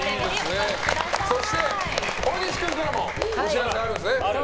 そして大西君からもお知らせあるんですね。